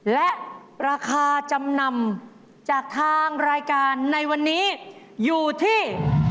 และราคาจำนำจากทางรายการในวันนี้อยู่ที่